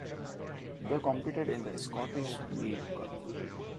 They competed in the Scottish League Cup.